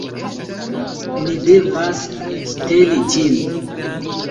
Ni devas ŝteli ĝin